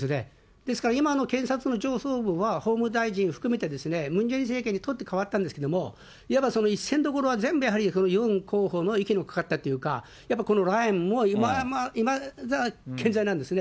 ですから今の検察の上層部は、法務大臣含めて、ムン・ジェイン政権に取って代わったんですけれども、いわばいっせんどころは、ユン候補の息のかかったというか、やっぱりこのラインもいまだ健在なんですね。